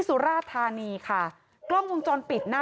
บูรค่าความเสียหายเป็น๕แสนบาทได้อะค่ะ